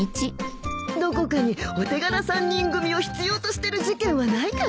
どこかにお手柄３人組を必要としてる事件はないかな？